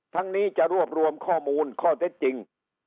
ทั้งนี้จะรวบรวมข้อมูลข้อเท็จจริง